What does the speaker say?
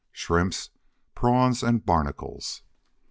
SHRIMPS, PRAWNS AND BARNACLES.